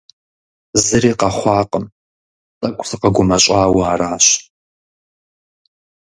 Зыри къэхъуакъым, тӏэкӏу сыкъэгумэщӏауэ аращ.